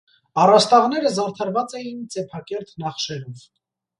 Առաստաղները զարդարված էին ծեփակերտ նախշերով։